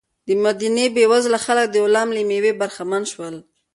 د مدینې بېوزله خلک د غلام له مېوې برخمن شول.